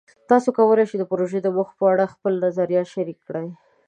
تاسو کولی شئ د پروژې د موخو په اړه خپلې نظریات شریک کړئ.